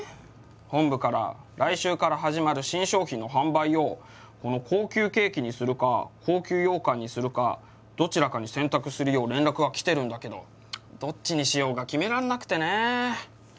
本部から来週から始まる新商品の販売をこの高級ケーキにするか高級ようかんにするかどちらかに選択するよう連絡が来てるんだけどどっちにしようか決めらんなくてね。